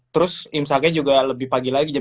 terus imsaknya juga lebih pagi lagi jam dua